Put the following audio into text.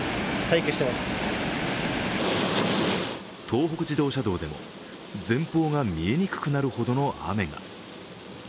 東北自動車道でも前方が見えにくくなるほどの雨が。